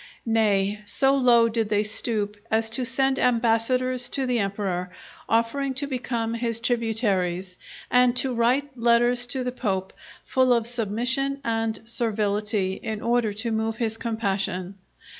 Nay, so low did they stoop as to send ambassadors to the Emperor offering to become his tributaries, and to write letters to the Pope, full of submission and servility, in order to move his compassion.